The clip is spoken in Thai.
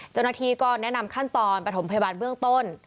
เจ้าหน้าที่ก็แนะนำขั้นตอนปฐมพยาบาลเบื้องต้น